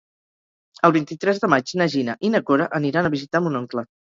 El vint-i-tres de maig na Gina i na Cora aniran a visitar mon oncle.